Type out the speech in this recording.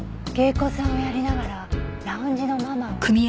芸妓さんをやりながらラウンジのママを？